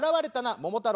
「桃太郎。